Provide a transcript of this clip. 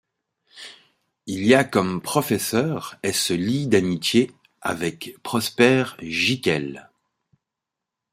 Il y a comme professeur et se lie d'amitié avec Prosper Giquel.